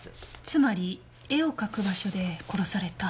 つまり絵を描く場所で殺された。